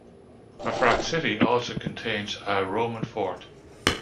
Mafraq city also contains a Roman fort.